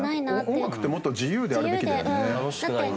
音楽ってもっと自由であるべきだよね。